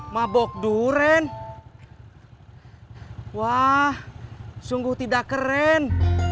mabok duren wah sungguh tidak keren